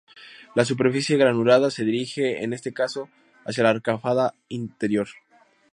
La superficie granulada se dirige en este caso hacia la arcada inferior.